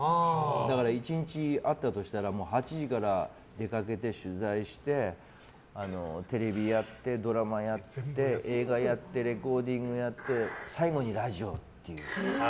だから１日あったとしたら８時から出かけて取材してテレビやってドラマやって映画やってレコーディングやって最後にラジオっていう。